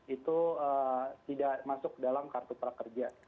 itu tidak masuk dalam kartu prakerja